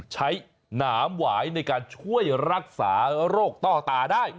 หนามหวายในการช่วยรักษาโรคต้อตาได้